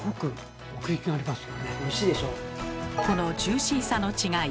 このジューシーさの違い。